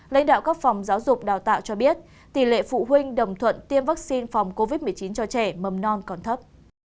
lãnh đạo các phòng giáo dục đào tạo cho biết tỷ lệ phụ huynh đồng thuận tiêm vaccine phòng covid một mươi chín cho trẻ mầm non còn thấp